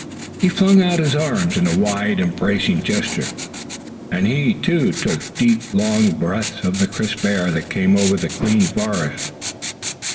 He flung out his arms in a wide, embracing gesture, and he, too, took deep long breaths of the crisp air that came over the clean forest.